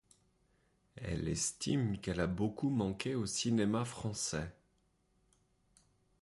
Elle estime qu'elle a beaucoup manqué au cinéma français.